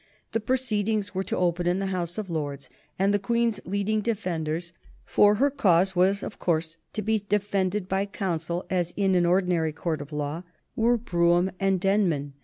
The proceedings were to open in the House of Lords, and the Queen's leading defenders for her cause was of course to be defended by counsel as in an ordinary court of law were Brougham and Denman.